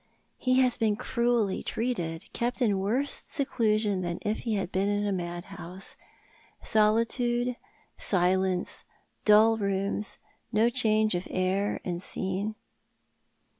" He has been cruelly treated, kept in worse seclusion than if he had been in a madhouse — solitude, silence, dull rooms, no change of air and scene."